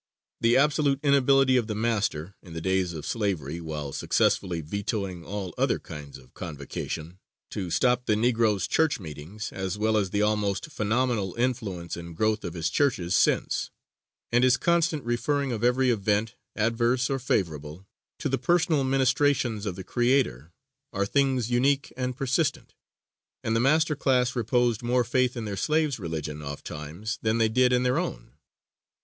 The absolute inability of the master, in the days of slavery, while successfully vetoing all other kinds of convocation, to stop the Negro's church meetings, as well as the almost phenomenal influence and growth of his churches since; and his constant referring of every event, adverse or favorable, to the personal ministrations of the Creator, are things unique and persistent. And the master class reposed more faith in their slaves' religion ofttimes than they did in their own.